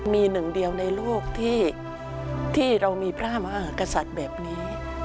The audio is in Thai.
มีหนึ่งเดียวในโลกที่เรามีพระมหากษัตริย์แบบนี้